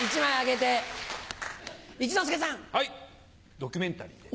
ドキュメンタリーで。